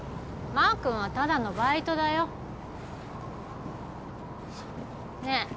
マー君はただのバイトだよねえ